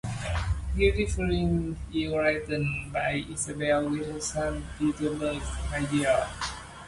Gifts Differing is written by Isabel with her son, Peter Briggs Myers.